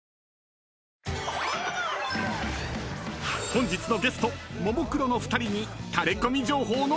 ［本日のゲストももクロの２人に］